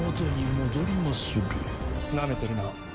なめてるな？